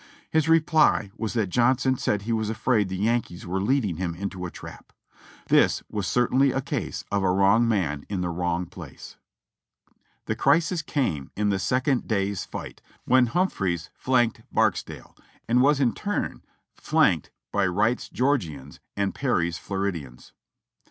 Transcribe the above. His reply was that Johnson said he was afraid the Yankees were leading him into a trap. This was certainly a case of a wrong man in the wrong place. The crisis came in the second day's fight when Humphreys flanked Barksdale, and was in turn flanked by Wright's Geor gians and Perry's Floridians.